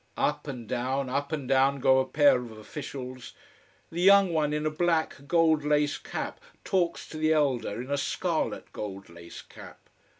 Up and down, up and down go a pair of officials. The young one in a black gold laced cap talks to the elder in a scarlet gold laced cap.